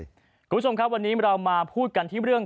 คุณผู้ชมครับวันนี้เรามาพูดกันที่เรื่อง